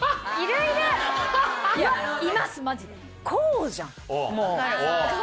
こうじゃんもう。